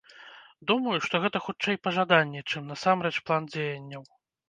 Думаю, што гэта хутчэй пажаданні, чым насамрэч план дзеянняў.